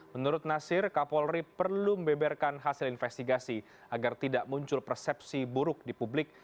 menurut nasir kapolri perlu membeberkan hasil investigasi agar tidak muncul persepsi buruk di publik